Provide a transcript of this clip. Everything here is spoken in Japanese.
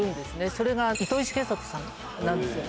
それが糸井重里さんなんですよ。